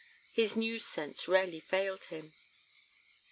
His news sense rarely failed him.